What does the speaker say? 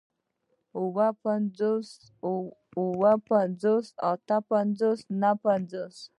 اووه پنځوس اتۀ پنځوس نهه پنځوس